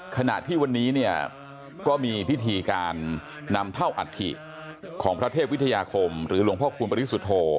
ขณะที่วันนี้เนี่ยก็มีพิธีการนำเท่าอัฐิของพระเทพวิทยาคมหรือหลวงพ่อคูณปริสุทธโธ